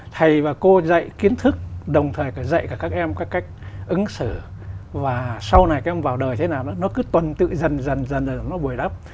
thầy và cô dạy kiến thức đồng thời phải dạy cả các em các cách ứng xử và sau này các em vào đời thế nào nó cứ tuần tự dần dần rồi nó bồi đắp